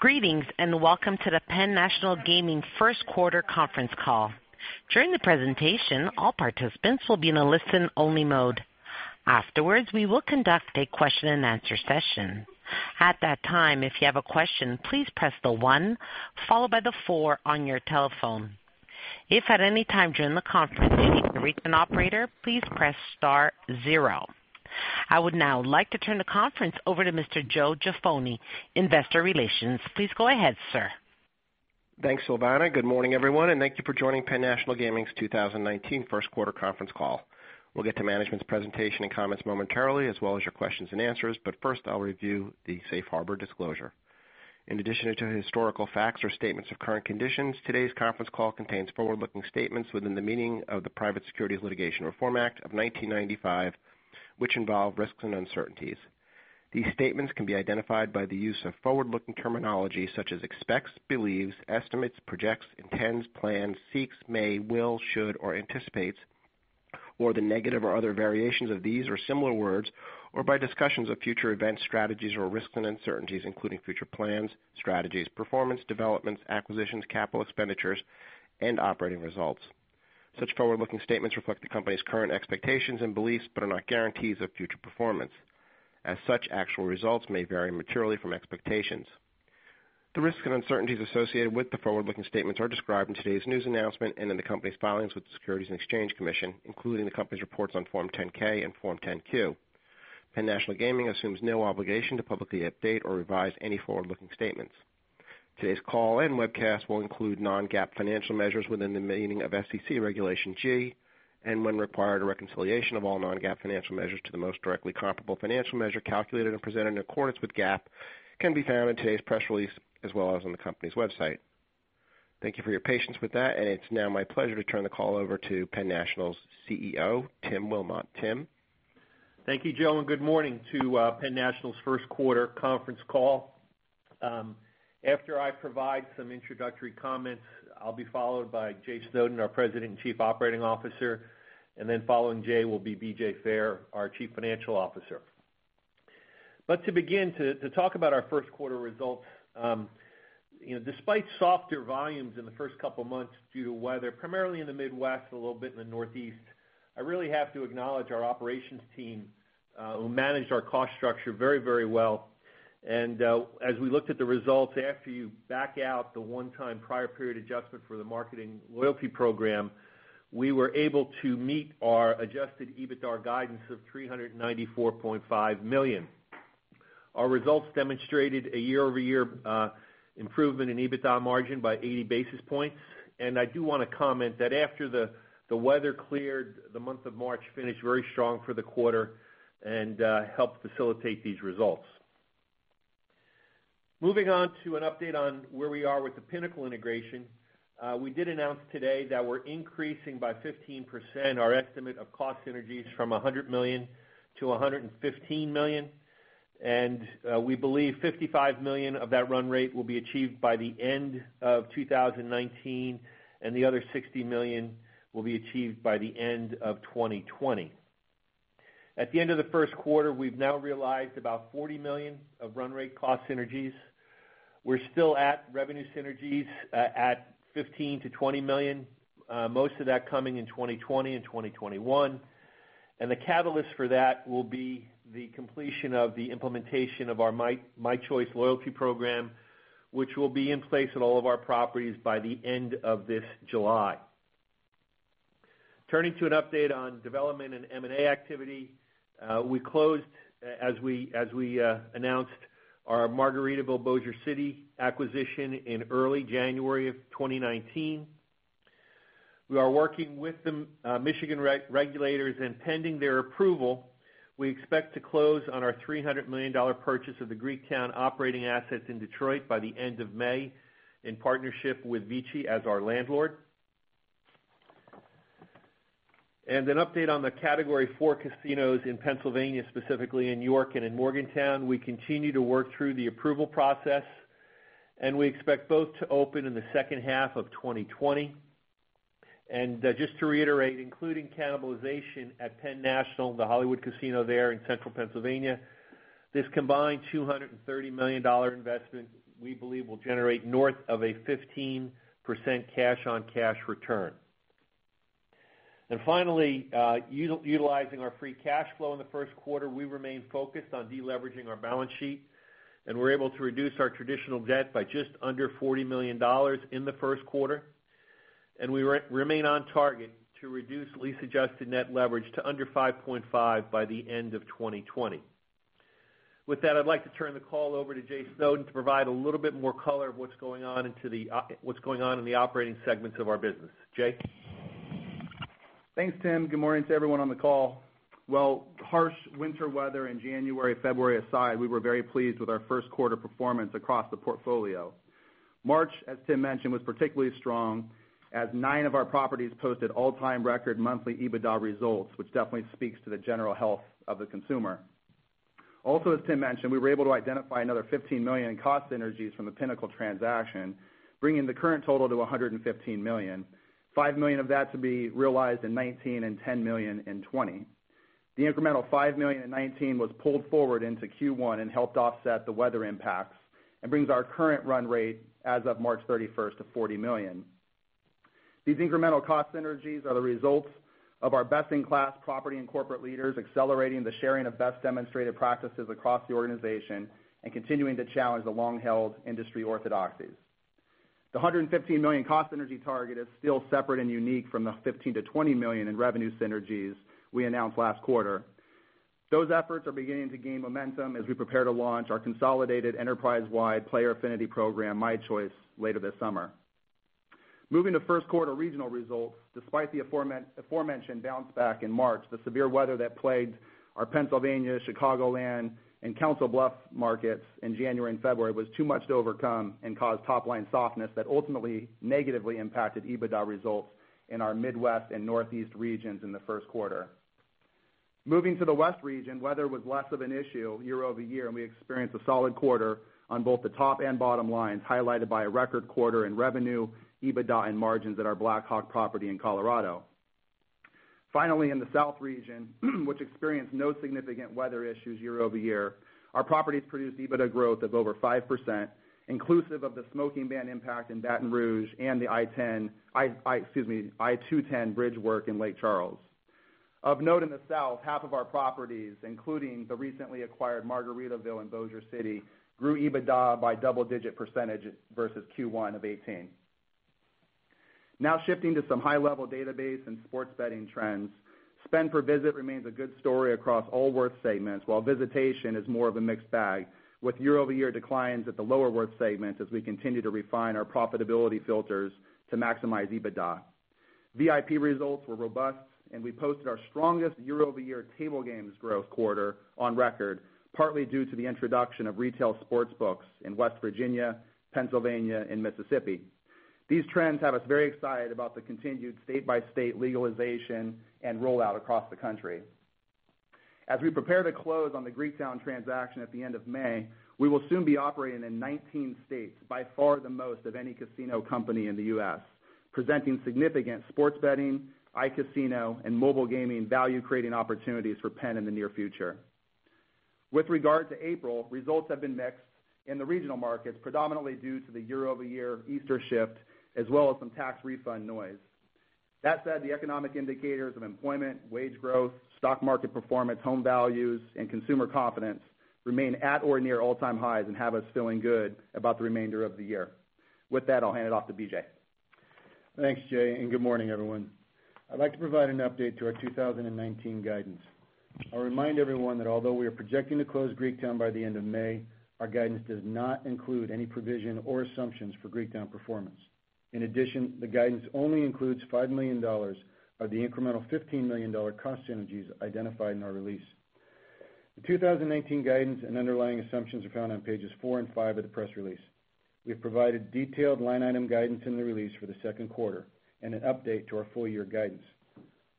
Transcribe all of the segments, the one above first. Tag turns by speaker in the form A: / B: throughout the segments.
A: Greetings. Welcome to the Penn National Gaming first quarter conference call. During the presentation, all participants will be in a listen-only mode. Afterwards, we will conduct a question and answer session. At that time, if you have a question, please press the one followed by the four on your telephone. If at any time during the conference you need to reach an operator, please press star zero. I would now like to turn the conference over to Mr. Joe Jaffoni, Investor Relations. Please go ahead, sir.
B: Thanks, Silvana. Good morning, everyone, and thank you for joining Penn National Gaming's 2019 first quarter conference call. We'll get to management's presentation and comments momentarily, as well as your questions and answers. First, I'll review the safe harbor disclosure. In addition to historical facts or statements of current conditions, today's conference call contains forward-looking statements within the meaning of the Private Securities Litigation Reform Act of 1995, which involve risks and uncertainties. These statements can be identified by the use of forward-looking terminology such as expects, believes, estimates, projects, intends, plans, seeks, may, will, should, or anticipates, or the negative or other variations of these, or similar words, or by discussions of future events, strategies, or risks and uncertainties, including future plans, strategies, performance, developments, acquisitions, capital expenditures, and operating results. Such forward-looking statements reflect the company's current expectations and beliefs but are not guarantees of future performance. As such, actual results may vary materially from expectations. The risks and uncertainties associated with the forward-looking statements are described in today's news announcement and in the company's filings with the Securities and Exchange Commission, including the company's reports on Form 10-K and Form 10-Q. Penn National Gaming assumes no obligation to publicly update or revise any forward-looking statements. Today's call and webcast will include non-GAAP financial measures within the meaning of SEC Regulation G, and when required, a reconciliation of all non-GAAP financial measures to the most directly comparable financial measure calculated and presented in accordance with GAAP can be found in today's press release as well as on the company's website. Thank you for your patience with that. It's now my pleasure to turn the call over to Penn National's CEO, Tim Wilmott. Tim?
C: Thank you, Joe. Good morning to Penn National's first quarter conference call. After I provide some introductory comments, I'll be followed by Jay Snowden, our President and Chief Operating Officer. Following Jay will be B.J. Fair, our Chief Financial Officer. To begin to talk about our first quarter results. Despite softer volumes in the first couple of months due to weather, primarily in the Midwest, a little bit in the Northeast, I really have to acknowledge our operations team, who managed our cost structure very well. As we looked at the results, after you back out the one-time prior period adjustment for the marketing loyalty program, we were able to meet our adjusted EBITDAR guidance of $394.5 million. Our results demonstrated a year-over-year improvement in EBITDAR margin by 80 basis points. I do want to comment that after the weather cleared, the month of March finished very strong for the quarter and helped facilitate these results. Moving on to an update on where we are with the Pinnacle integration. We did announce today that we're increasing by 15% our estimate of cost synergies from $100 million to $115 million. We believe $55 million of that run rate will be achieved by the end of 2019, and the other $60 million will be achieved by the end of 2020. At the end of the first quarter, we've now realized about $40 million of run rate cost synergies. We're still at revenue synergies at $15 million-$20 million. Most of that coming in 2020 and 2021. The catalyst for that will be the completion of the implementation of our mychoice loyalty program, which will be in place at all of our properties by the end of this July. Turning to an update on development and M&A activity. We closed, as we announced, our Margaritaville Bossier City acquisition in early January of 2019. We are working with the Michigan regulators and pending their approval. We expect to close on our $300 million purchase of the Greektown operating assets in Detroit by the end of May, in partnership with VICI as our landlord. An update on the Category 4 casinos in Pennsylvania, specifically in York and in Morgantown. We continue to work through the approval process, and we expect both to open in the second half of 2020. Just to reiterate, including cannibalization at Penn National, the Hollywood Casino there in central Pennsylvania, this combined $230 million investment we believe will generate north of a 15% cash-on-cash return. Finally, utilizing our free cash flow in the first quarter, we remain focused on deleveraging our balance sheet, and we're able to reduce our traditional debt by just under $40 million in the first quarter. We remain on target to reduce lease-adjusted net leverage to under 5.5 by the end of 2020. With that, I'd like to turn the call over to Jay Snowden to provide a little bit more color of what's going on in the operating segments of our business. Jay?
D: Thanks, Tim. Good morning to everyone on the call. Harsh winter weather in January, February aside, we were very pleased with our first quarter performance across the portfolio. March, as Tim mentioned, was particularly strong as nine of our properties posted all-time record monthly EBITDA results, which definitely speaks to the general health of the consumer. Also, as Tim mentioned, we were able to identify another $15 million in cost synergies from the Pinnacle transaction, bringing the current total to $115 million, $5 million of that to be realized in 2019 and $10 million in 2020. The incremental $5 million in 2019 was pulled forward into Q1 and helped offset the weather impacts, and brings our current run rate as of March 31st to $40 million. These incremental cost synergies are the results of our best-in-class property and corporate leaders accelerating the sharing of best demonstrated practices across the organization and continuing to challenge the long-held industry orthodoxies. The $115 million cost synergy target is still separate and unique from the $15 million-$20 million in revenue synergies we announced last quarter. Those efforts are beginning to gain momentum as we prepare to launch our consolidated enterprise-wide player affinity program, My Choice, later this summer. Moving to first quarter regional results, despite the aforementioned bounce back in March, the severe weather that plagued our Pennsylvania, Chicagoland, and Council Bluffs markets in January and February was too much to overcome and caused top-line softness that ultimately negatively impacted EBITDA results in our Midwest and Northeast regions in the first quarter. Moving to the West region, weather was less of an issue year-over-year, and we experienced a solid quarter on both the top and bottom lines, highlighted by a record quarter in revenue, EBITDA, and margins at our Black Hawk property in Colorado. Finally, in the South region, which experienced no significant weather issues year-over-year, our properties produced EBITDA growth of over 5%, inclusive of the smoking ban impact in Baton Rouge and the I-210 bridge work in Lake Charles. Of note in the South, half of our properties, including the recently acquired Margaritaville in Bossier City, grew EBITDA by double-digit percentages versus Q1 of 2018. Now shifting to some high-level database and sports betting trends. Spend per visit remains a good story across all worth segments, while visitation is more of a mixed bag, with year-over-year declines at the lower worth segments as we continue to refine our profitability filters to maximize EBITDA. VIP results were robust, and we posted our strongest year-over-year table games growth quarter on record, partly due to the introduction of retail sports books in West Virginia, Pennsylvania, and Mississippi. These trends have us very excited about the continued state-by-state legalization and rollout across the country. As we prepare to close on the Greektown transaction at the end of May, we will soon be operating in 19 states, by far the most of any casino company in the U.S., presenting significant sports betting, iCasino, and mobile gaming value-creating opportunities for Penn in the near future. With regard to April, results have been mixed in the regional markets, predominantly due to the year-over-year Easter shift, as well as some tax refund noise. That said, the economic indicators of employment, wage growth, stock market performance, home values, and consumer confidence remain at or near all-time highs and have us feeling good about the remainder of the year. With that, I'll hand it off to BJ.
E: Thanks, Jay, good morning, everyone. I'd like to provide an update to our 2019 guidance. I'll remind everyone that although we are projecting to close Greektown by the end of May, our guidance does not include any provision or assumptions for Greektown performance. The guidance only includes $5 million of the incremental $15 million cost synergies identified in our release. The 2019 guidance and underlying assumptions are found on pages four and five of the press release. We have provided detailed line item guidance in the release for the second quarter and an update to our full year guidance.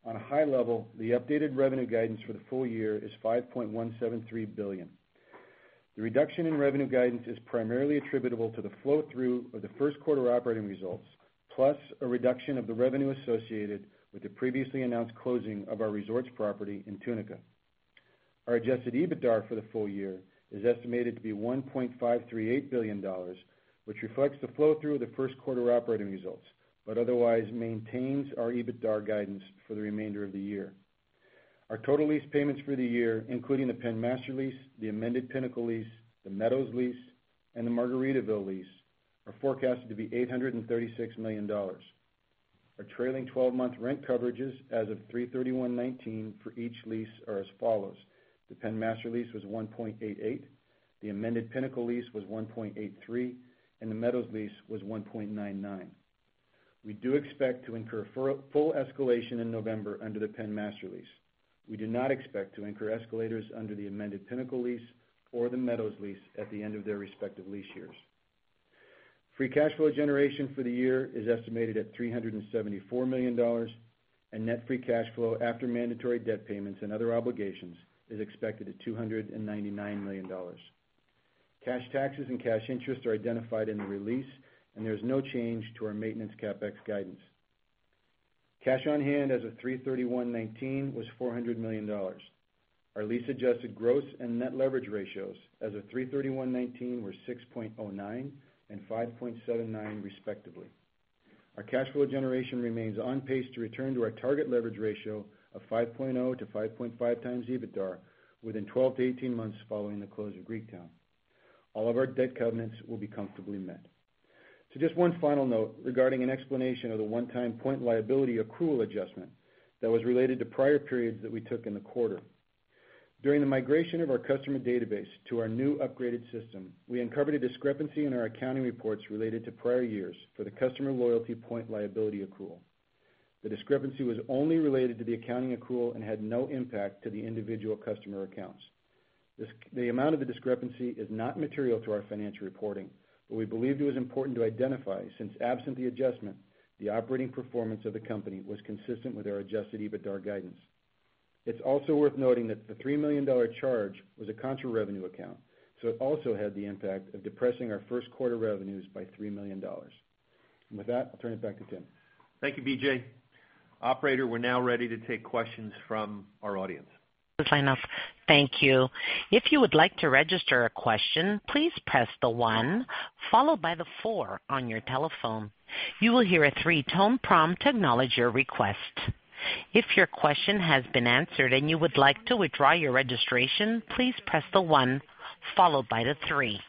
E: The updated revenue guidance for the full year is $5.173 billion. The reduction in revenue guidance is primarily attributable to the flow-through of the first quarter operating results, plus a reduction of the revenue associated with the previously announced closing of our Resorts Casino Tunica property. Our adjusted EBITDA for the full year is estimated to be $1.538 billion, which reflects the flow-through of the first quarter operating results, but otherwise maintains our EBITDA guidance for the remainder of the year. Our total lease payments for the year, including the Penn Master lease, the amended Pinnacle lease, the Meadows lease, the Margaritaville lease, are forecasted to be $836 million. Our trailing 12-month rent coverages as of 3/31/19 for each lease are as follows: The Penn Master lease was 1.88, the amended Pinnacle lease was 1.83, the Meadows lease was 1.99. We do expect to incur full escalation in November under the Penn Master lease. We do not expect to incur escalators under the amended Pinnacle lease or the Meadows lease at the end of their respective lease years. Free cash flow generation for the year is estimated at $374 million, net free cash flow after mandatory debt payments and other obligations is expected at $299 million. Cash taxes and cash interest are identified in the release, there is no change to our maintenance CapEx guidance. Cash on hand as of 3/31/19 was $400 million. Our lease-adjusted gross and net leverage ratios as of 3/31/19 were 6.09 and 5.79, respectively. Our cash flow generation remains on pace to return to our target leverage ratio of 5.0 to 5.5 times EBITDA within 12 to 18 months following the close of Greektown. All of our debt covenants will be comfortably met. Just one final note regarding an explanation of the one-time point liability accrual adjustment that was related to prior periods that we took in the quarter. During the migration of our customer database to our new upgraded system, we uncovered a discrepancy in our accounting reports related to prior years for the customer loyalty point liability accrual. The discrepancy was only related to the accounting accrual and had no impact to the individual customer accounts. The amount of the discrepancy is not material to our financial reporting, we believed it was important to identify since, absent the adjustment, the operating performance of the company was consistent with our adjusted EBITDA guidance. It's also worth noting that the $3 million charge was a contra revenue account, it also had the impact of depressing our first quarter revenues by $3 million. With that, I'll turn it back to Tim.
C: Thank you, BJ. Operator, we're now ready to take questions from our audience.
D: This is
A: Thank you. If you would like to register a question, please press the one followed by the four on your telephone. You will hear a three-tone prompt to acknowledge your request. If your question has been answered and you would like to withdraw your registration, please press the one followed by the three.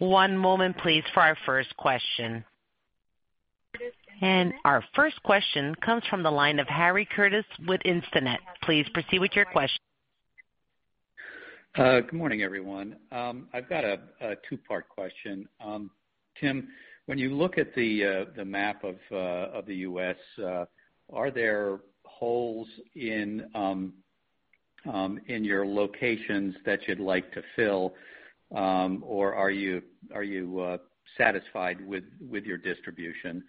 A: One moment, please, for our first question. Our first question comes from the line of Harry Curtis with Instinet. Please proceed with your question.
F: Good morning, everyone. I've got a two-part question. Tim, when you look at the map of the U.S., are there holes in your locations that you'd like to fill? Or are you satisfied with your distribution?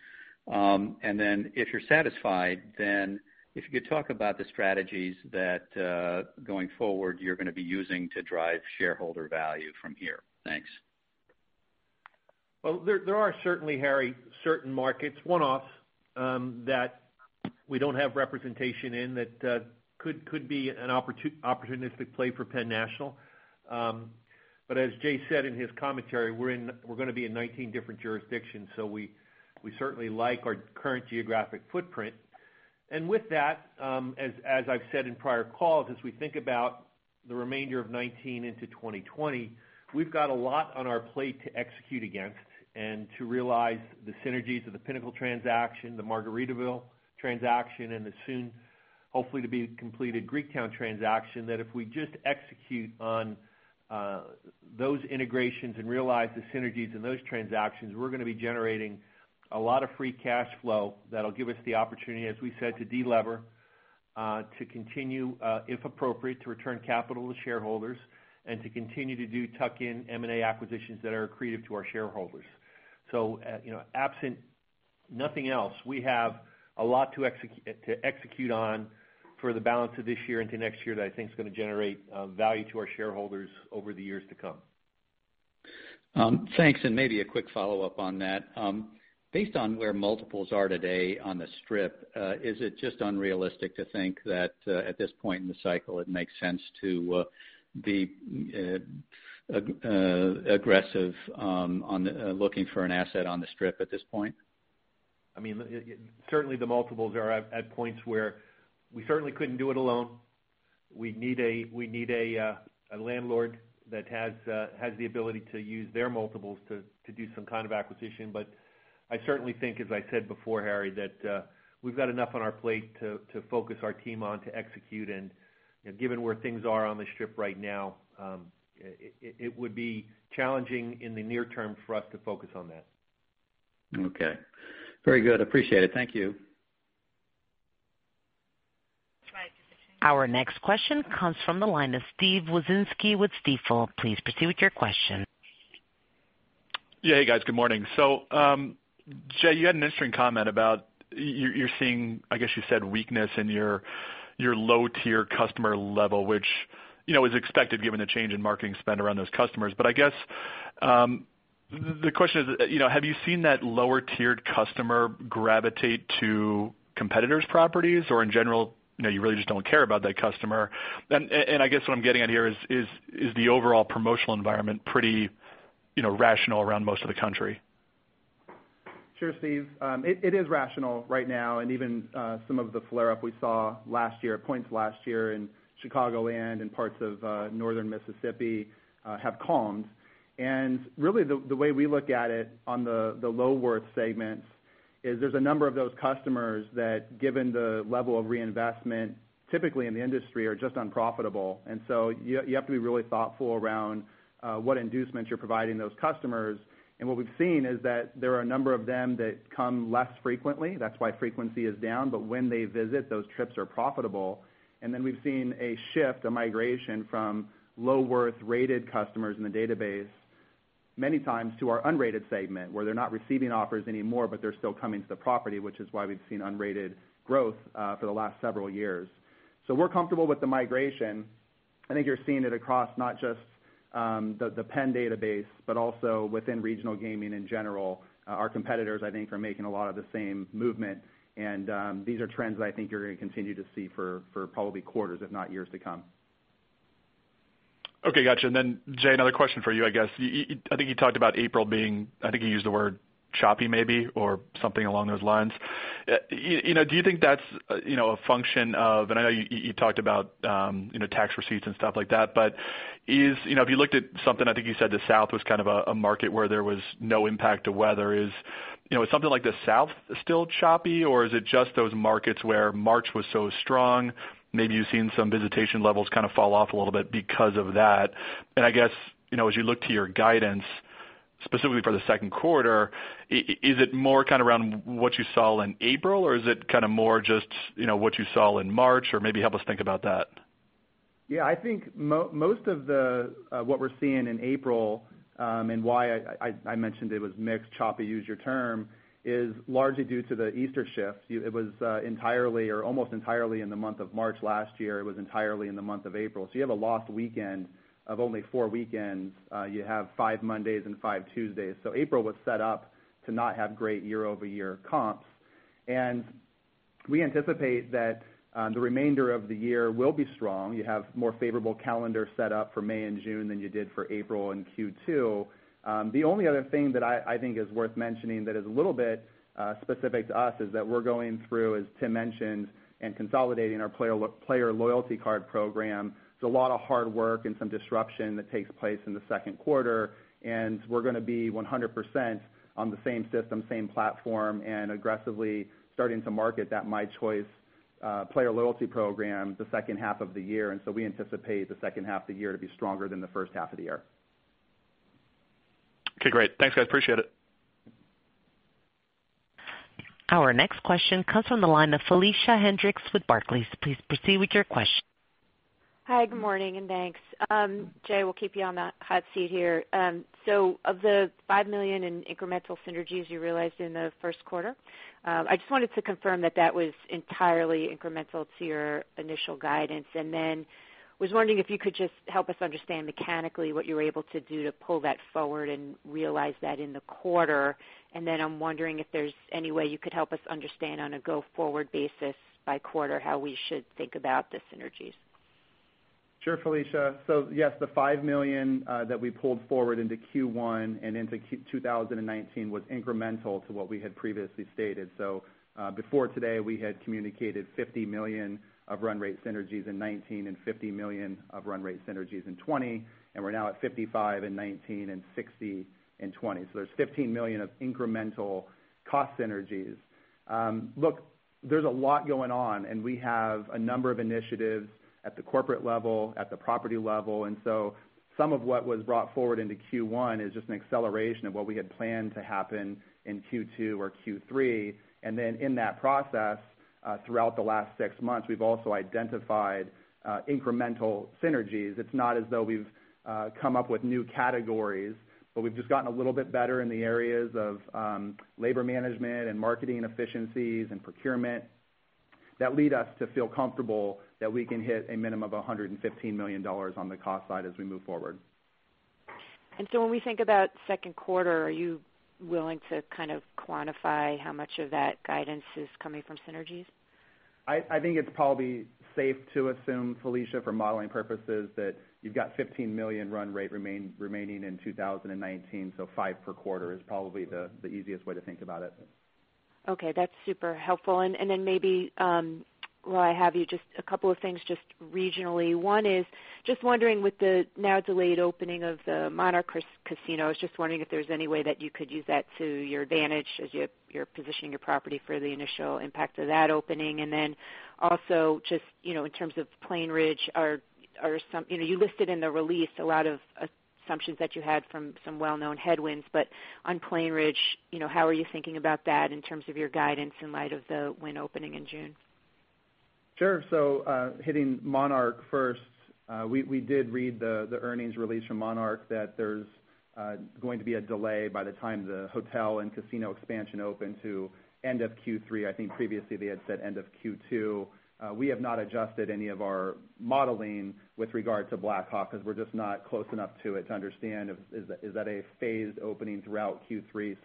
F: If you're satisfied, if you could talk about the strategies that, going forward, you're going to be using to drive shareholder value from here. Thanks.
C: Well, there are certainly, Harry, certain markets, one-offs, that we don't have representation in that could be an opportunistic play for Penn National. As Jay said in his commentary, we're going to be in 19 different jurisdictions, so we certainly like our current geographic footprint. With that, as I've said in prior calls, as we think about the remainder of 2019 into 2020, we've got a lot on our plate to execute against and to realize the synergies of the Pinnacle transaction, the Margaritaville transaction, and the soon, hopefully to be completed, Greektown transaction. That if we just execute on those integrations and realize the synergies in those transactions, we're going to be generating a lot of free cash flow that'll give us the opportunity, as we said, to de-lever, to continue, if appropriate, to return capital to shareholders, and to continue to do tuck-in M&A acquisitions that are accretive to our shareholders. Absent nothing else, we have a lot to execute on for the balance of this year into next year that I think is going to generate value to our shareholders over the years to come.
F: Thanks, maybe a quick follow-up on that. Based on where multiples are today on the Strip, is it just unrealistic to think that, at this point in the cycle, it makes sense to be aggressive on looking for an asset on the Strip at this point?
C: Certainly the multiples are at points where we certainly couldn't do it alone. We'd need a landlord that has the ability to use their multiples to do some kind of acquisition. I certainly think, as I said before, Harry, that we've got enough on our plate to focus our team on to execute. Given where things are on the Strip right now, it would be challenging in the near term for us to focus on that.
F: Okay. Very good. Appreciate it. Thank you.
A: Our next question comes from the line of Steve Wieczynski with Stifel. Please proceed with your question.
G: Yeah. Hey, guys. Good morning. Jay, you had an interesting comment about you're seeing, I guess you said weakness in your low-tier customer level, which is expected given the change in marketing spend around those customers. I guess, the question is, have you seen that lower tiered customer gravitate to competitors' properties or in general, you really just don't care about that customer? I guess what I'm getting at here is the overall promotional environment pretty rational around most of the country?
D: Sure, Steve. Even some of the flare up we saw last year, at points last year in Chicagoland and parts of Northern Mississippi, have calmed. Really, the way we look at it on the low-worth segments is there's a number of those customers that, given the level of reinvestment, typically in the industry, are just unprofitable. So you have to be really thoughtful around what inducements you're providing those customers. What we've seen is that there are a number of them that come less frequently. That's why frequency is down. When they visit, those trips are profitable. We've seen a shift, a migration from low-worth rated customers in the database, many times to our unrated segment, where they're not receiving offers anymore, but they're still coming to the property, which is why we've seen unrated growth for the last several years. We're comfortable with the migration. I think you're seeing it across not just the PENN database, but also within regional gaming in general. Our competitors, I think, are making a lot of the same movement, these are trends that I think you're going to continue to see for probably quarters, if not years to come.
G: Okay, got you. Jay, another question for you, I guess. I think you talked about April being, I think you used the word choppy maybe, or something along those lines. Do you think that's a function of, and I know you talked about tax receipts and stuff like that, but if you looked at something, I think you said the South was kind of a market where there was no impact to weather. Is something like the South still choppy, or is it just those markets where March was so strong, maybe you've seen some visitation levels kind of fall off a little bit because of that. I guess, as you look to your guidance, specifically for the second quarter, is it more kind of around what you saw in April, or is it kind of more just what you saw in March? Maybe help us think about that.
D: Yeah, I think most of what we're seeing in April, and why I mentioned it was mixed, choppy, use your term, is largely due to the Easter shift. It was entirely, or almost entirely in the month of March last year. It was entirely in the month of April. You have a lost weekend of only four weekends. You have five Mondays and five Tuesdays. April was set up to not have great year-over-year comps. We anticipate that the remainder of the year will be strong. You have more favorable calendar set up for May and June than you did for April and Q2. The only other thing that I think is worth mentioning that is a little bit specific to us is that we're going through, as Tim mentioned, consolidating our player loyalty card program. It's a lot of hard work and some disruption that takes place in the second quarter. We're going to be 100% on the same system, same platform, aggressively starting to market that mychoice player loyalty program the second half of the year. We anticipate the second half of the year to be stronger than the first half of the year.
G: Okay, great. Thanks, guys. Appreciate it.
A: Our next question comes from the line of Felicia Hendrix with Barclays. Please proceed with your question.
H: Hi, good morning, and thanks. Jay, we'll keep you on the hot seat here. Of the $5 million in incremental synergies you realized in the first quarter, I just wanted to confirm that that was entirely incremental to your initial guidance. Was wondering if you could just help us understand mechanically what you were able to do to pull that forward and realize that in the quarter. I'm wondering if there's any way you could help us understand, on a go-forward basis by quarter, how we should think about the synergies.
D: Sure, Felicia. Yes, the $5 million that we pulled forward into Q1 and into 2019 was incremental to what we had previously stated. Before today, we had communicated $50 million of run rate synergies in 2019 and $50 million of run rate synergies in 2020, and we're now at $55 million in 2019 and $60 million in 2020. There's $15 million of incremental cost synergies. Look, there's a lot going on and we have a number of initiatives at the corporate level, at the property level, some of what was brought forward into Q1 is just an acceleration of what we had planned to happen in Q2 or Q3. In that process, throughout the last 6 months, we've also identified incremental synergies. It's not as though we've come up with new categories, but we've just gotten a little bit better in the areas of labor management and marketing efficiencies and procurement that lead us to feel comfortable that we can hit a minimum of $115 million on the cost side as we move forward.
H: When we think about second quarter, are you willing to kind of quantify how much of that guidance is coming from synergies?
D: I think it's probably safe to assume, Felicia, for modeling purposes, that you've got $15 million run rate remaining in 2019, so five per quarter is probably the easiest way to think about it.
H: That's super helpful. Maybe while I have you, just a couple of things just regionally. One is just wondering with the now delayed opening of the Monarch Casino, just wondering if there's any way that you could use that to your advantage as you're positioning your property for the initial impact of that opening. Also just in terms of Plainridge. You listed in the release a lot of assumptions that you had from some well-known headwinds. On Plainridge, how are you thinking about that in terms of your guidance in light of the wind opening in June?
D: Sure. Hitting Monarch first, we did read the earnings release from Monarch that there's going to be a delay by the time the hotel and casino expansion open to end of Q3. I think previously they had said end of Q2. We have not adjusted any of our modeling with regard to Black Hawk because we're just not close enough to it to understand, is that a phased opening throughout Q3?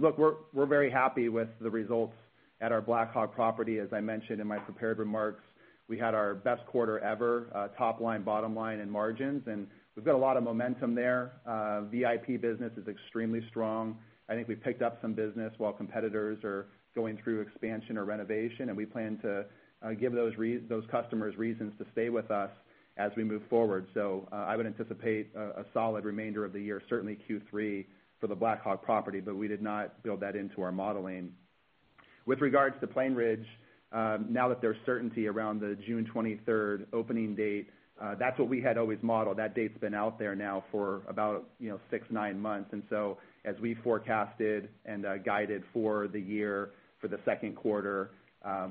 D: Look, we're very happy with the results at our Black Hawk property. As I mentioned in my prepared remarks, we had our best quarter ever, top line, bottom line, and margins, and we've got a lot of momentum there. VIP business is extremely strong. I think we've picked up some business while competitors are going through expansion or renovation, and we plan to give those customers reasons to stay with us as we move forward. I would anticipate a solid remainder of the year, certainly Q3 for the Black Hawk property, but we did not build that into our modeling. With regards to Plainridge, now that there's certainty around the June 23rd opening date, that's what we had always modeled. That date's been out there now for about six, nine months. As we forecasted and guided for the year, for the second quarter,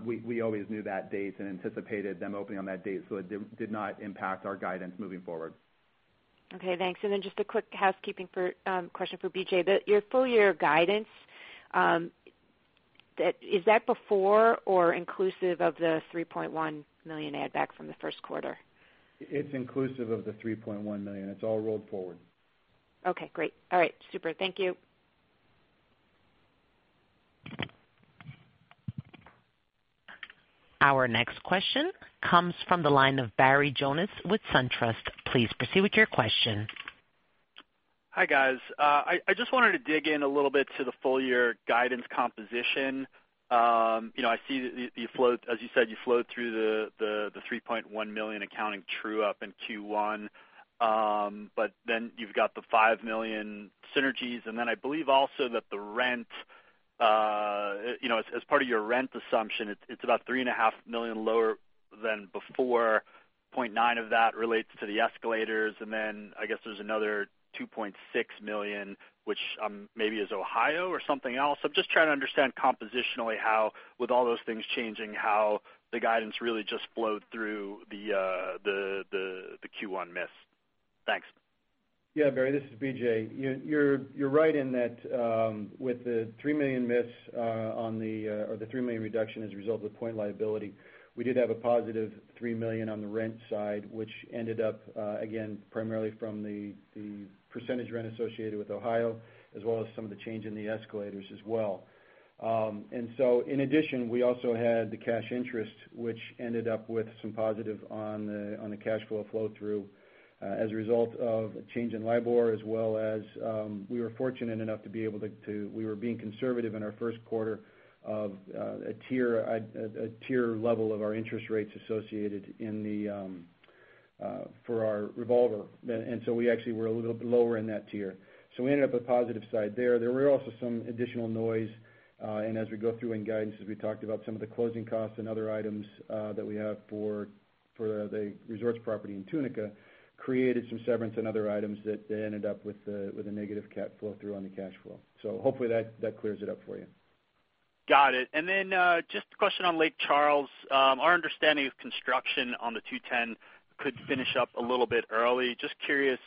D: we always knew that date and anticipated them opening on that date. It did not impact our guidance moving forward.
H: Okay, thanks. Just a quick housekeeping question for BJ. Your full year guidance, is that before or inclusive of the $3.1 million add back from the first quarter?
E: It's inclusive of the $3.1 million. It's all rolled forward.
H: Okay, great. All right, super. Thank you.
A: Our next question comes from the line of Barry Jonas with SunTrust. Please proceed with your question.
I: Hi, guys. I just wanted to dig in a little bit to the full year guidance composition. I see, as you said, you flowed through the $3.1 million accounting true-up in Q1. You've got the $5 million synergies, I believe also that as part of your rent assumption, it's about three and a half million lower than before. $0.9 of that relates to the escalators, I guess there's another $2.6 million, which maybe is Ohio or something else. I'm just trying to understand compositionally how, with all those things changing, how the guidance really just flowed through the Q1 miss. Thanks.
E: Yeah, Barry, this is BJ. You're right in that with the $3 million miss or the $3 million reduction as a result of the point liability, we did have a positive $3 million on the rent side, which ended up, again, primarily from the percentage rent associated with Ohio as well as some of the change in the escalators as well. In addition, we also had the cash interest, which ended up with some positive on the cash flow through as a result of a change in LIBOR as well as we were fortunate enough to be able to. We were being conservative in our first quarter of a tier level of our interest rates associated for our revolver. We actually were a little bit lower in that tier. We ended up with positive side there. There were also some additional noise, as we go through in guidance, as we talked about some of the closing costs and other items that we have for the Resorts Casino Tunica, created some severance and other items that ended up with a negative CapEx flow through on the cash flow. Hopefully that clears it up for you.
I: Got it. Just a question on Lake Charles. Our understanding of construction on the 210 could finish up a little bit early. Just curious,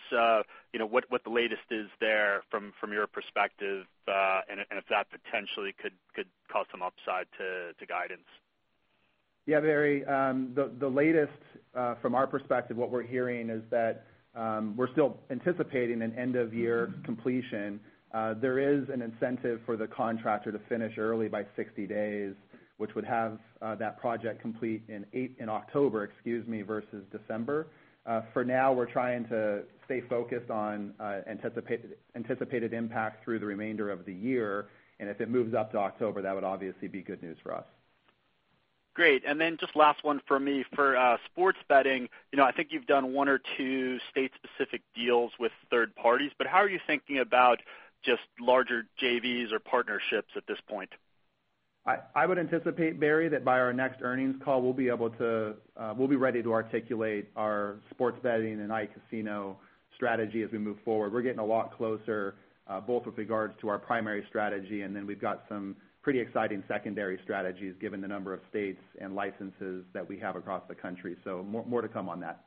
I: what the latest is there from your perspective, and if that potentially could cause some upside to guidance.
D: Barry. The latest, from our perspective, what we're hearing is that we're still anticipating an end of year completion. There is an incentive for the contractor to finish early by 60 days, which would have that project complete in October versus December. For now, we're trying to stay focused on anticipated impact through the remainder of the year. If it moves up to October, that would obviously be good news for us.
I: Great. Just last one from me. For sports betting, I think you've done one or two state specific deals with third parties. How are you thinking about just larger JVs or partnerships at this point?
D: I would anticipate, Barry, that by our next earnings call, we'll be ready to articulate our sports betting and iCasino strategy as we move forward. We're getting a lot closer, both with regards to our primary strategy. We've got some pretty exciting secondary strategies given the number of states and licenses that we have across the country. More to come on that.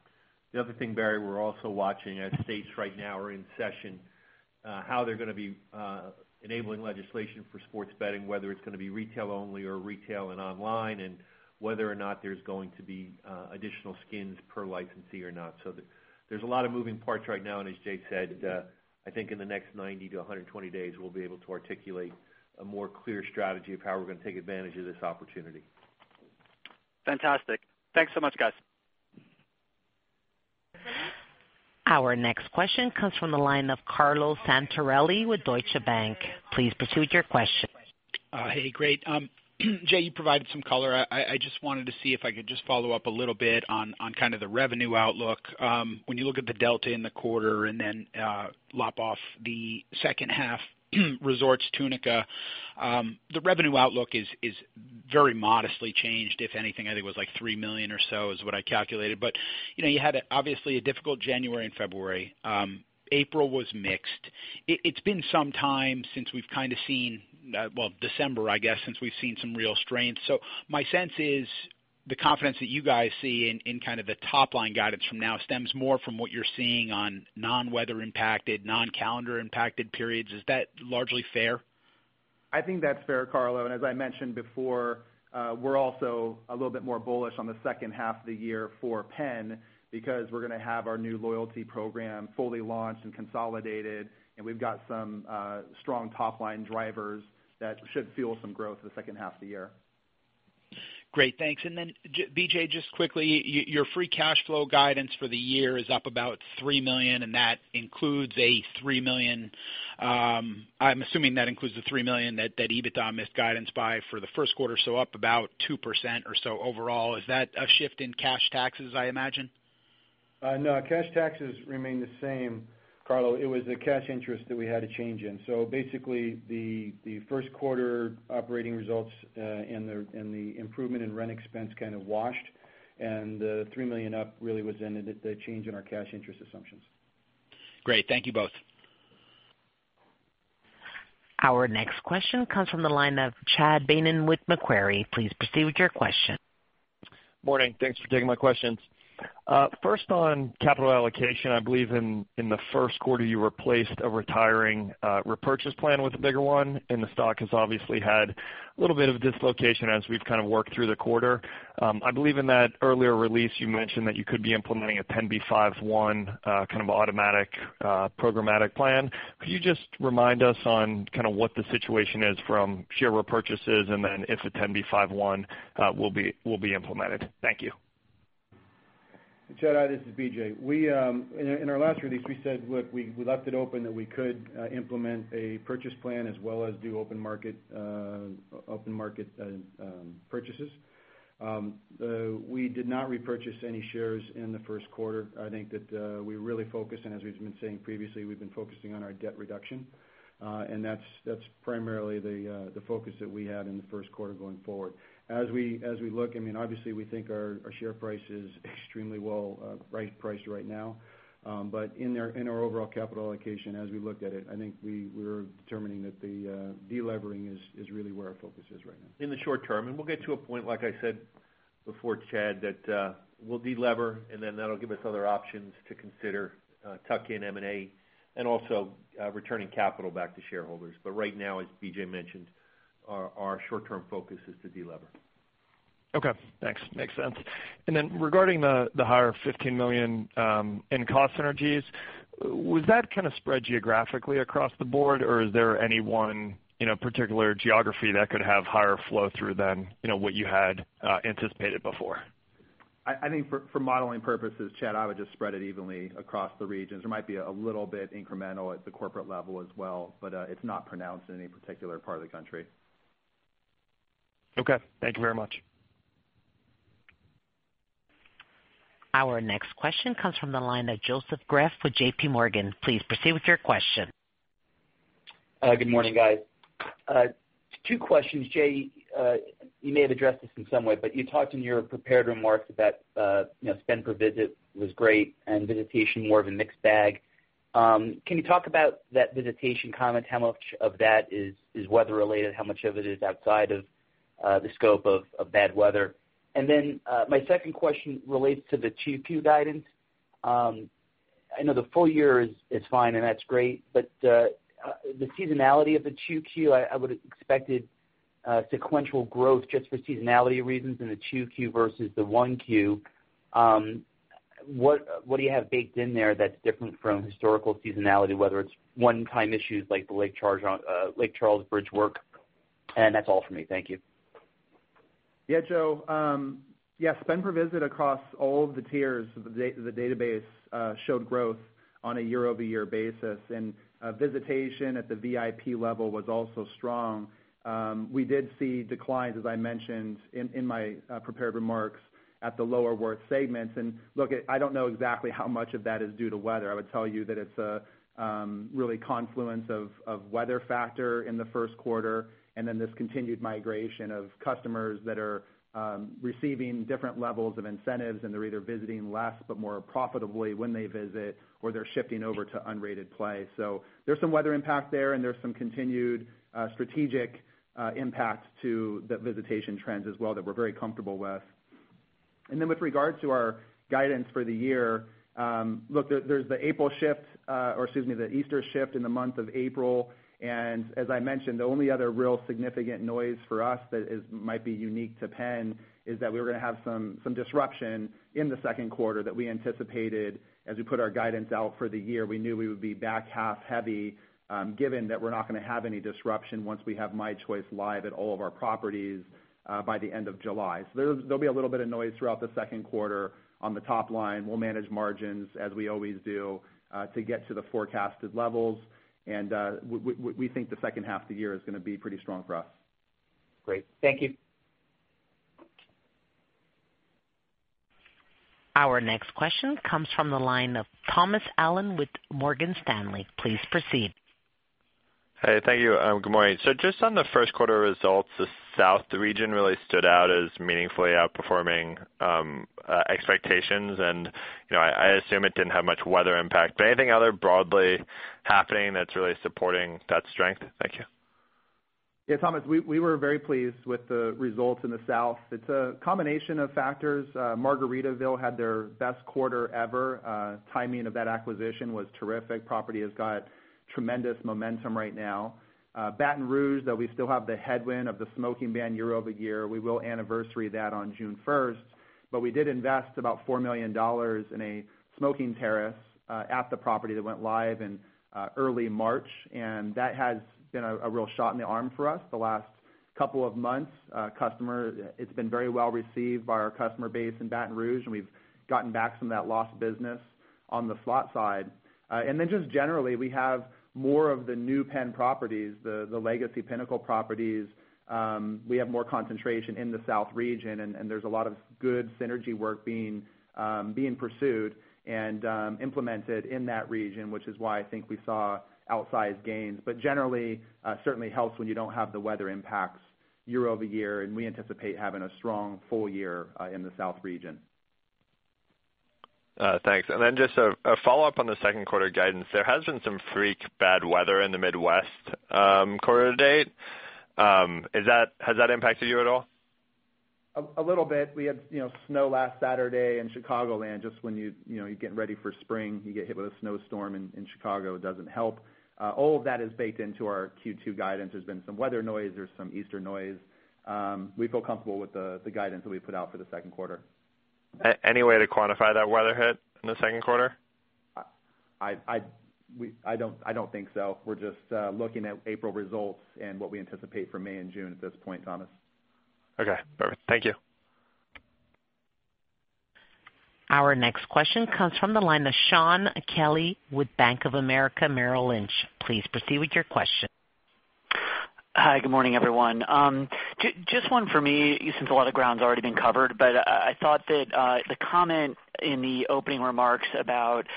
E: The other thing, Barry, we're also watching as states right now are in session, how they're going to be enabling legislation for sports betting, whether it's going to be retail only or retail and online. Whether or not there's going to be additional skins per licensee or not. There's a lot of moving parts right now, as Jay said, I think in the next 90 to 120 days, we'll be able to articulate a more clear strategy of how we're going to take advantage of this opportunity.
I: Fantastic. Thanks so much, guys.
A: Our next question comes from the line of Carlo Santarelli with Deutsche Bank. Please proceed with your question.
J: Hey, great. Jay, you provided some color. I just wanted to see if I could just follow up a little bit on kind of the revenue outlook. When you look at the delta in the quarter and then lop off the second half Resorts Tunica, the revenue outlook is very modestly changed, if anything. I think it was like $3 million or so is what I calculated. You had obviously a difficult January and February. April was mixed. It's been some time since we've kind of seen, well, December, I guess, since we've seen some real strength. My sense is the confidence that you guys see in kind of the top-line guidance from now stems more from what you're seeing on non-weather impacted, non-calendar impacted periods. Is that largely fair?
D: I think that's fair, Carlo. As I mentioned before, we're also a little bit more bullish on the second half of the year for Penn because we're going to have our new loyalty program fully launched and consolidated, and we've got some strong top-line drivers that should fuel some growth in the second half of the year.
J: Great. Thanks. BJ, just quickly, your free cash flow guidance for the year is up about $3 million, that includes the $3 million that EBITDA missed guidance by for the first quarter, so up about 2% or so overall. Is that a shift in cash taxes, I imagine?
E: No, cash taxes remain the same, Carlo. It was the cash interest that we had a change in. Basically, the first quarter operating results and the improvement in rent expense kind of washed, and the $3 million up really was in the change in our cash interest assumptions.
J: Great. Thank you both.
A: Our next question comes from the line of Chad Beynon with Macquarie. Please proceed with your question.
K: Morning. Thanks for taking my questions. First on capital allocation. I believe in the first quarter, you replaced a retiring repurchase plan with a bigger one, and the stock has obviously had a little bit of dislocation as we've kind of worked through the quarter. I believe in that earlier release, you mentioned that you could be implementing a 10b5-1 kind of automatic programmatic plan. Could you just remind us on kind of what the situation is from share repurchases and then if the 10b5-1 will be implemented? Thank you.
E: Chad, this is BJ. In our last release, we said, look, we left it open that we could implement a purchase plan as well as do open market purchases. We did not repurchase any shares in the first quarter. I think that we really focused, and as we've been saying previously, we've been focusing on our debt reduction. That's primarily the focus that we had in the first quarter going forward. As we look, obviously, we think our share price is extremely well priced right now. In our overall capital allocation, as we looked at it, I think we were determining that the de-levering is really where our focus is right now.
D: In the short term, we'll get to a point, like I said
C: Before, Chad, that we'll de-lever, then that'll give us other options to consider tuck-in M&A and also returning capital back to shareholders. Right now, as BJ mentioned, our short-term focus is to de-lever.
K: Okay, thanks. Makes sense. Then regarding the higher $15 million in cost synergies, was that kind of spread geographically across the board, or is there any one particular geography that could have higher flow through than what you had anticipated before?
D: I think for modeling purposes, Chad, I would just spread it evenly across the regions. There might be a little bit incremental at the corporate level as well, but it's not pronounced in any particular part of the country.
K: Okay. Thank you very much.
A: Our next question comes from the line of Joseph Greff with J.P. Morgan. Please proceed with your question.
L: Good morning, guys. Two questions. Jay, you may have addressed this in some way, but you talked in your prepared remarks about spend per visit was great and visitation more of a mixed bag. Can you talk about that visitation comment? How much of that is weather related? How much of it is outside of the scope of bad weather? My second question relates to the 2Q guidance. I know the full year is fine, and that's great, but the seasonality of the 2Q, I would've expected sequential growth just for seasonality reasons in the 2Q versus the 1Q. What do you have baked in there that's different from historical seasonality, whether it's one-time issues like the Lake Charles bridge work? That's all from me. Thank you.
D: Joe. Spend per visit across all of the tiers of the database showed growth on a year-over-year basis, and visitation at the VIP level was also strong. We did see declines, as I mentioned in my prepared remarks, at the lower worth segments. Look, I don't know exactly how much of that is due to weather. I would tell you that it's really confluence of weather factor in the first quarter, this continued migration of customers that are receiving different levels of incentives, and they're either visiting less, but more profitably when they visit, or they're shifting over to unrated play. There's some weather impact there, and there's some continued strategic impacts to the visitation trends as well that we're very comfortable with. With regards to our guidance for the year, there's the April shift, or excuse me, the Easter shift in the month of April. As I mentioned, the only other real significant noise for us that might be unique to Penn is that we were going to have some disruption in the second quarter that we anticipated as we put our guidance out for the year. We knew we would be back half heavy, given that we're not going to have any disruption once we have mychoice live at all of our properties by the end of July. There'll be a little bit of noise throughout the second quarter on the top line. We'll manage margins as we always do, to get to the forecasted levels. We think the second half of the year is going to be pretty strong for us.
L: Great. Thank you.
A: Our next question comes from the line of Thomas Allen with Morgan Stanley. Please proceed.
M: Hey, thank you. Good morning. Just on the first quarter results, the South region really stood out as meaningfully outperforming expectations. I assume it didn't have much weather impact, but anything other broadly happening that's really supporting that strength? Thank you.
D: Yeah, Thomas, we were very pleased with the results in the South. It's a combination of factors. Margaritaville had their best quarter ever. Timing of that acquisition was terrific. Property has got tremendous momentum right now. Baton Rouge, though we still have the headwind of the smoking ban year-over-year, we will anniversary that on June 1st, we did invest about $4 million in a smoking terrace at the property that went live in early March, that has been a real shot in the arm for us the last couple of months. It's been very well received by our customer base in Baton Rouge, we've gotten back some of that lost business on the slot side. Then just generally, we have more of the new Penn properties, the legacy Pinnacle properties. We have more concentration in the South region, there's a lot of good synergy work being pursued and implemented in that region, which is why I think we saw outsized gains. Generally, certainly helps when you don't have the weather impacts year-over-year, we anticipate having a strong full year in the South region.
M: Thanks. Just a follow-up on the second quarter guidance. There has been some freak bad weather in the Midwest quarter to date. Has that impacted you at all?
D: A little bit. We had snow last Saturday in Chicagoland, just when you're getting ready for spring, you get hit with a snowstorm in Chicago, it doesn't help. All of that is baked into our Q2 guidance. There's been some weather noise. There's some Easter noise. We feel comfortable with the guidance that we put out for the second quarter.
M: Any way to quantify that weather hit in the second quarter?
D: I don't think so. We're just looking at April results and what we anticipate for May and June at this point, Thomas.
M: Okay. Perfect. Thank you.
A: Our next question comes from the line of Shaun Kelley with Bank of America Merrill Lynch. Please proceed with your question.
N: Hi, good morning, everyone. Just one for me, since a lot of ground's already been covered. I thought that the comment in the opening remarks about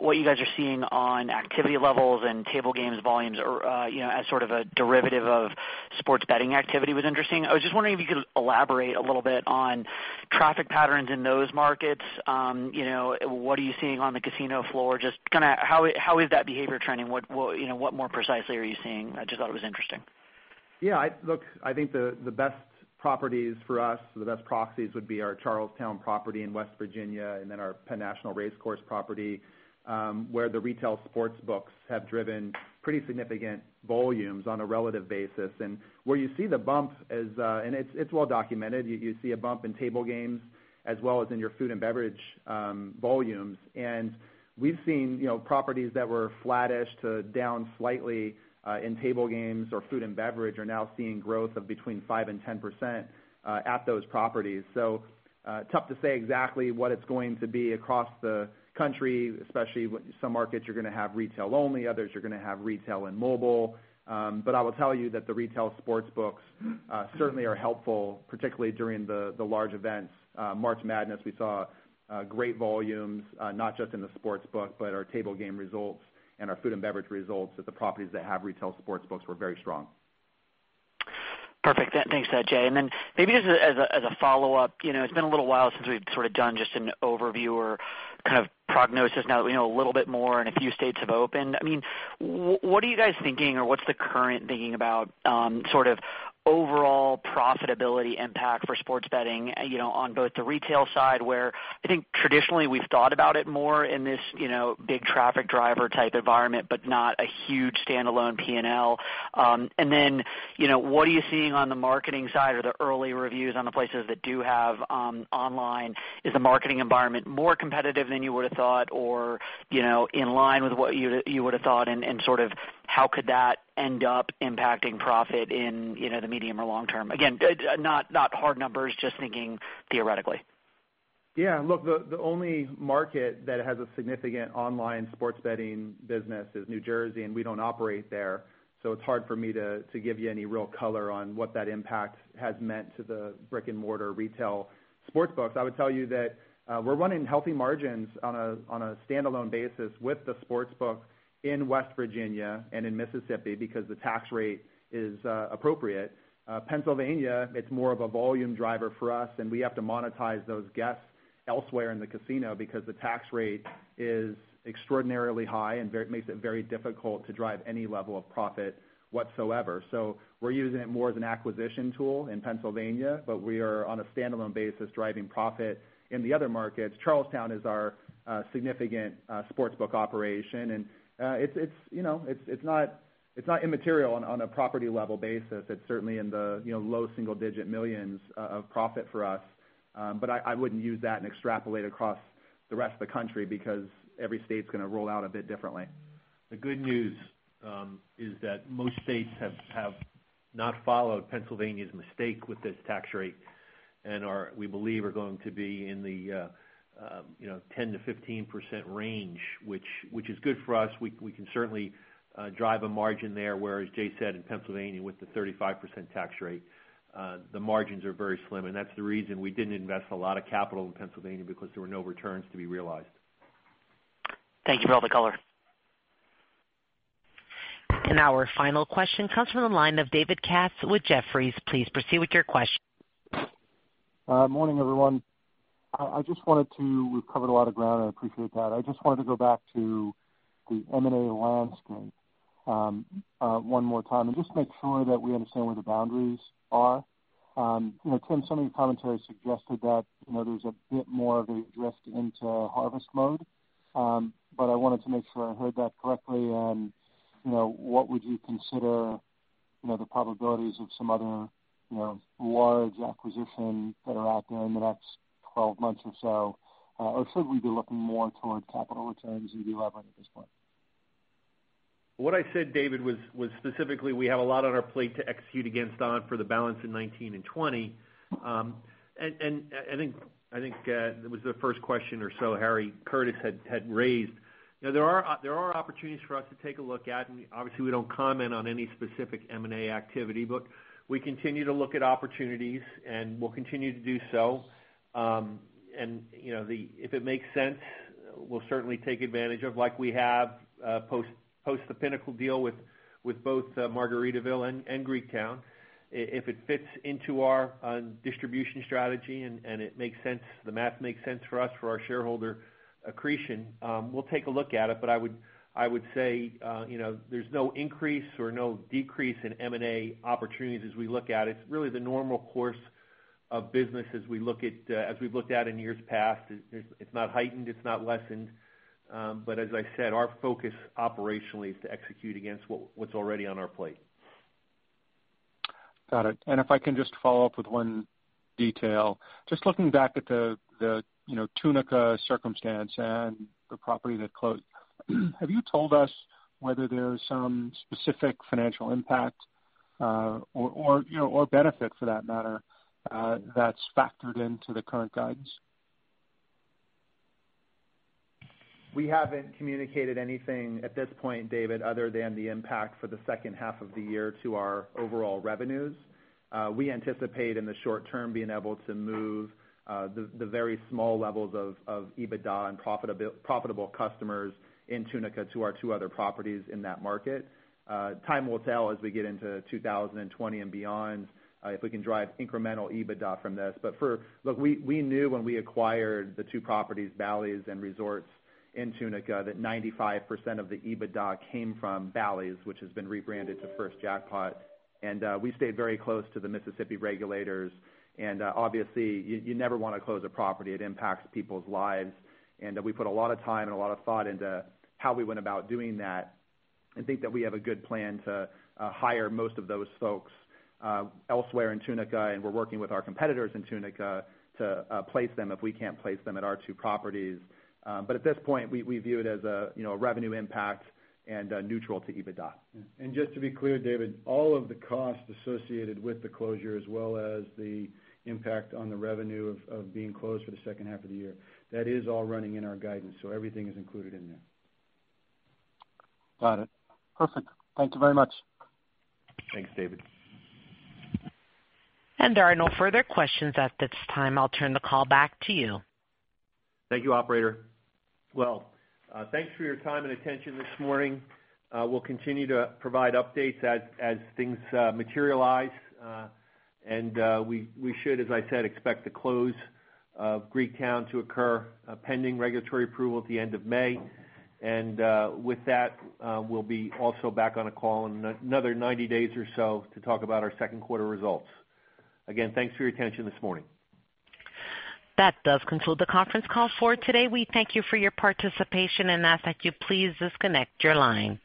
N: what you guys are seeing on activity levels and table games volumes as sort of a derivative of sports betting activity was interesting. I was just wondering if you could elaborate a little bit on traffic patterns in those markets. What are you seeing on the casino floor? Just how is that behavior trending? What more precisely are you seeing? I just thought it was interesting.
D: Yeah. Look, I think the best properties for us, the best proxies would be our Charles Town property in West Virginia and then our Penn National Race Course property, where the retail sports books have driven pretty significant volumes on a relative basis. Where you see the bump is, and it's well-documented, you see a bump in table games as well as in your food and beverage volumes. We've seen properties that were flattish to down slightly, in table games or food and beverage are now seeing growth of between 5% and 10% at those properties. Tough to say exactly what it's going to be across the country, especially with some markets you're going to have retail only, others you're going to have retail and mobile. I will tell you that the retail sports books certainly are helpful, particularly during the large events. March Madness we saw great volumes, not just in the sports book, but our table game results and our food and beverage results at the properties that have retail sports books were very strong.
N: Perfect. Thanks, Jay. Maybe just as a follow-up. It's been a little while since we've sort of done just an overview or kind of prognosis now that we know a little bit more and a few states have opened. What are you guys thinking or what's the current thinking about sort of overall profitability impact for sports betting, on both the retail side, where I think traditionally we've thought about it more in this big traffic driver type environment, but not a huge standalone P&L. What are you seeing on the marketing side or the early reviews on the places that do have online? Is the marketing environment more competitive than you would've thought or in line with what you would've thought and sort of how could that end up impacting profit in the medium or long term? Again, not hard numbers, just thinking theoretically.
D: Look, the only market that has a significant online sports betting business is New Jersey, and we don't operate there. It's hard for me to give you any real color on what that impact has meant to the brick-and-mortar retail sports books. I would tell you that we're running healthy margins on a standalone basis with the sports book in West Virginia and in Mississippi because the tax rate is appropriate. Pennsylvania, it's more of a volume driver for us. We have to monetize those guests elsewhere in the casino because the tax rate is extraordinarily high and makes it very difficult to drive any level of profit whatsoever. We're using it more as an acquisition tool in Pennsylvania, but we are on a standalone basis driving profit in the other markets. Charles Town is our significant sports book operation. It's not immaterial on a property level basis. It's certainly in the low single-digit millions of profit for us. I wouldn't use that and extrapolate across the rest of the country because every state's going to roll out a bit differently.
C: The good news is that most states have not followed Pennsylvania's mistake with this tax rate and are, we believe, are going to be in the 10%-15% range, which is good for us. We can certainly drive a margin there, whereas Jay said in Pennsylvania, with the 35% tax rate, the margins are very slim. That's the reason we didn't invest a lot of capital in Pennsylvania because there were no returns to be realized.
N: Thank you for all the color.
A: Our final question comes from the line of David Katz with Jefferies. Please proceed with your question.
O: Morning, everyone. We've covered a lot of ground, I appreciate that. I just wanted to go back to the M&A landscape one more time and just make sure that we understand where the boundaries are. Tim, some of your commentary suggested that there's a bit more of a drift into harvest mode. I wanted to make sure I heard that correctly and what would you consider the probabilities of some other large acquisition that are out there in the next 12 months or so? Should we be looking more towards capital returns and de-levering at this point?
C: What I said, David, was specifically we have a lot on our plate to execute against on for the balance in 2019 and 2020. I think it was the first question or so Harry Curtis had raised. There are opportunities for us to take a look at, obviously, we don't comment on any specific M&A activity. We continue to look at opportunities, and we'll continue to do so. If it makes sense, we'll certainly take advantage of, like we have, post the Pinnacle deal with both Margaritaville and Greektown. If it fits into our distribution strategy and it makes sense, the math makes sense for us, for our shareholder accretion, we'll take a look at it. I would say, there's no increase or no decrease in M&A opportunities as we look at it. It's really the normal course of business as we've looked at in years past. It's not heightened, it's not lessened. As I said, our focus operationally is to execute against what's already on our plate.
O: Got it. If I can just follow up with one detail. Just looking back at the Tunica circumstance and the property that closed. Have you told us whether there's some specific financial impact, or benefit for that matter, that's factored into the current guides?
D: We haven't communicated anything at this point, David, other than the impact for the second half of the year to our overall revenues. We anticipate in the short term being able to move the very small levels of EBITDA and profitable customers in Tunica to our two other properties in that market. Time will tell as we get into 2020 and beyond, if we can drive incremental EBITDA from this. We knew when we acquired the two properties, Bally's and Resorts in Tunica, that 95% of the EBITDA came from Bally's, which has been rebranded to 1st Jackpot. We stayed very close to the Mississippi regulators, obviously, you never want to close a property. It impacts people's lives. We put a lot of time and a lot of thought into how we went about doing that and think that we have a good plan to hire most of those folks elsewhere in Tunica. We're working with our competitors in Tunica to place them if we can't place them at our two properties. At this point, we view it as a revenue impact and neutral to EBITDA.
C: Just to be clear, David, all of the costs associated with the closure as well as the impact on the revenue of being closed for the second half of the year, that is all running in our guidance, so everything is included in there.
O: Got it. Perfect. Thank you very much.
D: Thanks, David.
A: There are no further questions at this time. I'll turn the call back to you.
D: Thank you, Operator.
C: Well, thanks for your time and attention this morning. We'll continue to provide updates as things materialize. We should, as I said, expect the close of Greektown to occur pending regulatory approval at the end of May. With that, we'll be also back on a call in another 90 days or so to talk about our second quarter results. Again, thanks for your attention this morning.
A: That does conclude the conference call for today. We thank you for your participation and ask that you please disconnect your line.